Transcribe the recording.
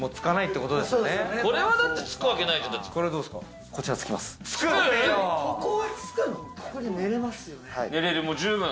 ここで寝れますよね。